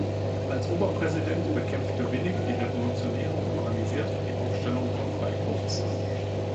Als Oberpräsident bekämpfte Winnig die Revolutionäre und organisierte die Aufstellung von Freikorps.